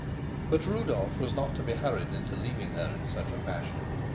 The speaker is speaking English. But Rudolf was not to be hurried into leaving her in such a fashion.